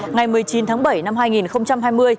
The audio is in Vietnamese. ngày một mươi chín tháng bảy năm hai nghìn hai mươi